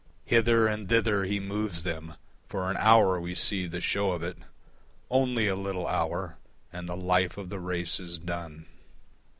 Hither and thither he moves them; for an hour we see the show of it: Only a little hour, and the life of the race is done.